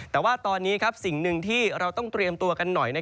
แต่ว่าตอนนี้สิ่งหนึ่งที่เราต้องเตรียมตัวกันหน่อย